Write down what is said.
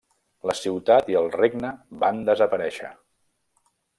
La ciutat i el regne van desaparèixer.